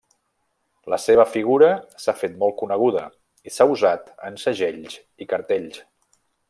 La seva figura s'ha fet molt coneguda i s'ha usat en segells i cartells.